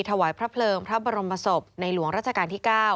ถวายพระเพลิงพระบรมศพในหลวงราชการที่๙